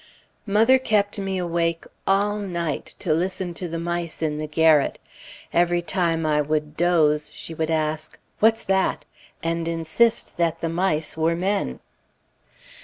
Mother kept me awake all night to listen to the mice in the garret. Every time I would doze she would ask, "What's that?" and insist that the mice were men.